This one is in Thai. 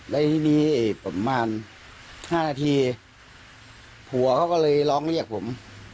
แล้วทีนี้ประมาณ๕นาทีผัวเขาก็เลยร้องเรียกผม